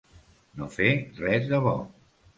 No fer res de bo.